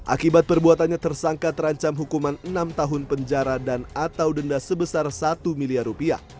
akibat perbuatannya tersangka terancam hukuman enam tahun penjara dan atau denda sebesar satu miliar rupiah